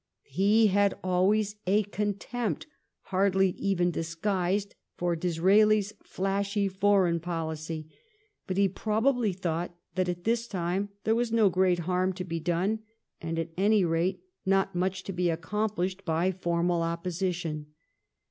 He had always a contempt, hardly even disguised, for Disraelis flashy foreign policy, but he probably thought that at this time there was no great harm to be done, and, at any rate, not much to be accom GLADSTONE IN RETIREMENT 323 pHshed by formal opposition.